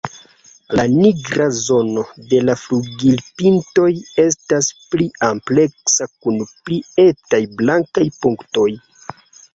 La nigra zono de la flugilpintoj estas pli ampleksa kun pli etaj blankaj punktoj.